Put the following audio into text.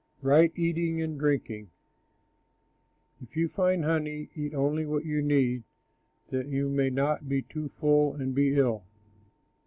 RIGHT EATING AND DRINKING If you find honey, eat only what you need, That you may not be too full and be ill.